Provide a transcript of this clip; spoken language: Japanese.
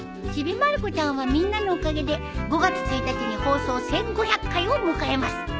『ちびまる子ちゃん』はみんなのおかげで５月１日に放送１，５００回を迎えます。